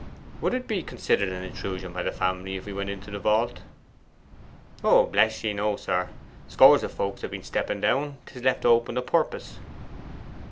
'Would it be considered an intrusion by the family if we went into the vault?' 'Oh, bless ye, no, sir; scores of folk have been stepping down. 'Tis left open a purpose.